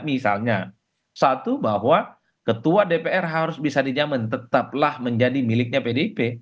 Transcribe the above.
misalnya satu bahwa ketua dpr harus bisa dijamin tetaplah menjadi miliknya pdip